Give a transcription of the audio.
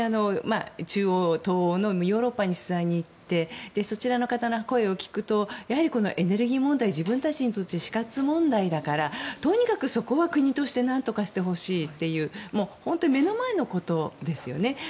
ただ、ヨーロッパに取材に行ってそちらの方の声を聞くとやはりエネルギー問題は自分たちにとって死活問題だからとにかくそこは国として何とかしてほしいという目の前のことですよね。